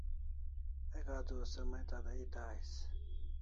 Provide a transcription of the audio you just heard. Ek adua se mai tada eta ais